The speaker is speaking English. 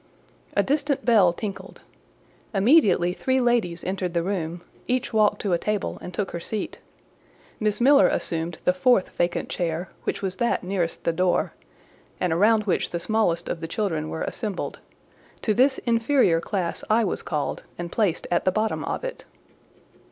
A distant bell tinkled: immediately three ladies entered the room, each walked to a table and took her seat; Miss Miller assumed the fourth vacant chair, which was that nearest the door, and around which the smallest of the children were assembled: to this inferior class I was called, and placed at the bottom of it.